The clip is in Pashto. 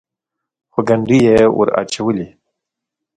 خو ګنډې یې ور اچولې.